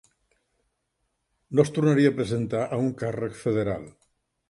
No es tornaria a presentar a un càrrec federal.